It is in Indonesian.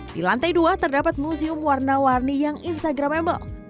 di lantai dua terdapat museum warna warni yang instagramable